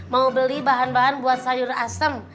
mau beli bahan bahan buat sayur asem